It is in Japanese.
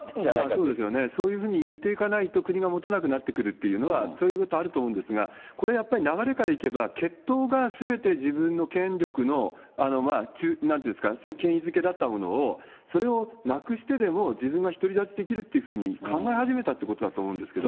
そうですよね、そういうふうに言っていかないと国がもたなくなってくるというのはそういうことがあると思うんですが、これ、流れからいけば、血統がすべて自分の権力のなんて言うんですか、権威づけだったものを、それをなくしてでも、自分が独り立ちできるっていうふうに、考え始めたということだと思うんですけれども。